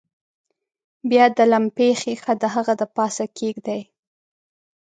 بیا د لمپې ښيښه د هغه د پاسه کیږدئ.